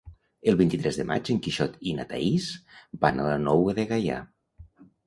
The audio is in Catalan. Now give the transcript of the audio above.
El vint-i-tres de maig en Quixot i na Thaís van a la Nou de Gaià.